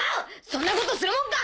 そんなことするもんか！